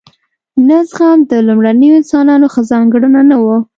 نه زغم د لومړنیو انسانانو ښه ځانګړنه نه وه.